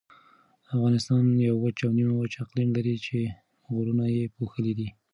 افغانستان یو وچ او نیمه وچ اقلیم لري چې غرونه یې پوښلي دي.